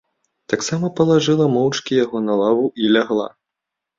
Таксама палажыла моўчкі яго на лаву і лягла.